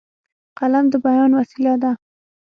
قلم د بیان وسیله ده.